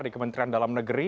di kementerian dalam negeri